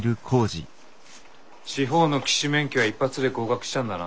地方の騎手免許は一発で合格したんだな？